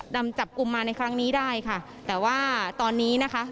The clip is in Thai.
ดำจับกลุ่มมาในครั้งนี้ได้ค่ะแต่ว่าตอนนี้นะคะ